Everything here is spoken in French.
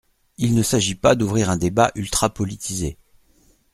Il ne s’agit pas d’ouvrir un débat ultra-politisé.